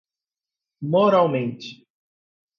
moralmente